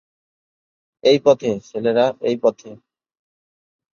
এই পথে, ছেলেরা, এই পথে।